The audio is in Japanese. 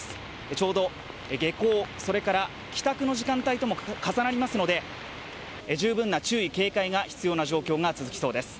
ちょうど下校それから帰宅の時間帯とも重なりますので十分な注意・警戒が必要な状況が続きそうです。